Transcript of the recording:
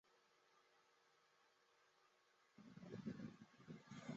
整个验证平台中最顶层的划分是被测设计实例化和测试本身的划分。